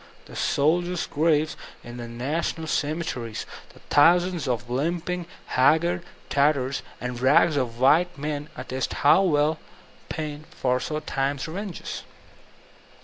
The soldiers' graves in the National cemeteries, the thousands of limping, haggard tatters and rags of white men attest how well Paine foresaw Time's revenges.